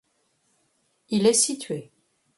Il est situé.